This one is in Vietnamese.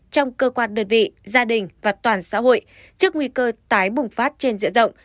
trong cơ quan đơn vị gia đình và toàn xã hội trước nguy cơ tái bùng phát trên diện rộng